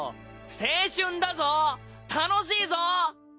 青春だぞ楽しいぞ。